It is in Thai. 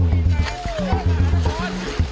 มีความรู้สึกว่ามีความรู้สึกว่า